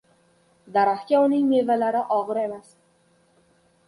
• Daraxtga uning mevalari og‘ir emas.